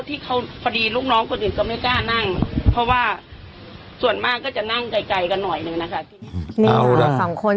นี่เปล่าสองคน